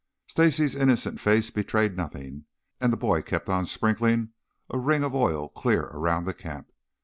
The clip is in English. Stacy's innocent face betrayed nothing, and the boy kept on sprinkling a ring of oil clear around the camp.